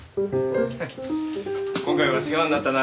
ハハッ今回は世話になったな。